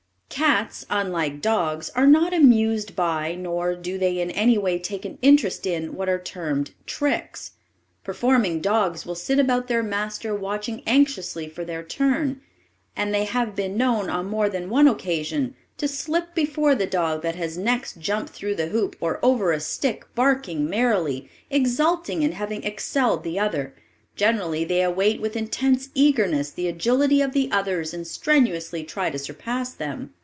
Cats, unlike dogs, are not amused by, nor do they in any way take an interest in what are termed "tricks." Performing dogs will sit about their master watching anxiously for their turn, and they have been known on more than one occasion to slip before the dog that has next jump through the hoop or over a stick, barking merrily, exulting in having excelled the other; generally they await with intense eagerness the agility of the others and strenuously try to surpass them.